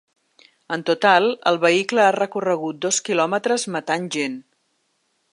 En total, el vehicle ha recorregut dos quilòmetres matant gent.